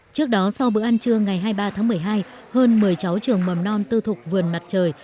trước đó sau bữa ăn trưa ngày hai mươi ba tháng một mươi hai hơn một mươi cháu trường mầm non tư thuộc vườn mặt trời